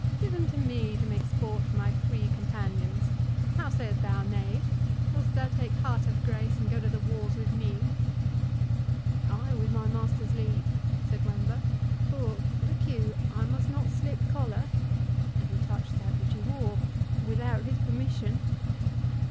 Give him to me to make sport for my Free Companions.—How sayst thou, knave? Wilt thou take heart of grace, and go to the wars with me?" "Ay, with my master's leave," said Wamba; "for, look you, I must not slip collar" (and he touched that which he wore) "without his permission."